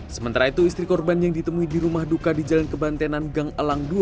sementara itu istri korban yang ditemui di rumah duka di jalan kebantenan gang elang dua